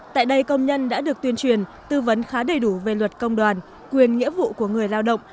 tại đây công nhân đã được tuyên truyền tư vấn khá đầy đủ về luật công đoàn quyền nghĩa vụ của người lao động